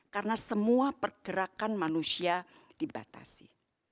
karena semua pergerakan manusia dibatasi